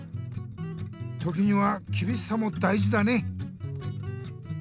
時にはきびしさも大事だね。